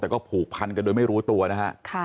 แต่ก็ผูกพันกันโดยไม่รู้ตัวนะฮะ